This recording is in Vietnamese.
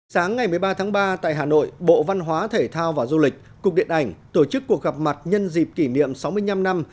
sáng ngày một mươi ba tháng ba tại hà nội bộ văn hóa thể thao và du lịch cục điện ảnh tổ chức cuộc gặp mặt nhân dịp kỷ niệm sáu mươi năm năm